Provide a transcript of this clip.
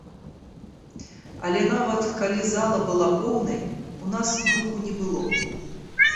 Але нават калі зала была поўнай, у нас гуку не было.